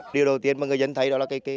điều đầu tiên mà người dân thấy đó là cái